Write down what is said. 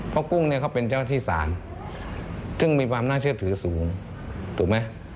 เพราะกุ้งเนี่ยเขาเป็นเจ้าหน้าที่ศาลซึ่งมีความน่าเชื่อถือสูงถูกไหม